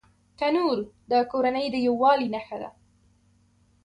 تنور د کورنۍ د یووالي نښه ده